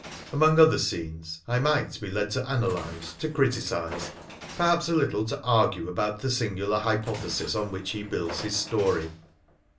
Amid other scenes I might be led to analyse, to criticise, perhaps a little to argue about the singular hypothesis upon which he builds his story.